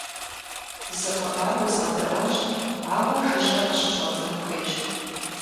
Зы хъыбар уезгъэдэӀуэнщ, ауэ жыжьэ къыщыщӀэздзэн хуейщ.